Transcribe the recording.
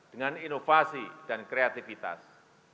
dengan inovasi dan kreativitas